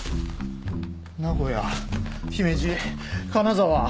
名古屋姫路金沢。